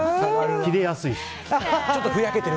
切れやすいし。